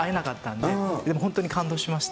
でも本当に感動しました。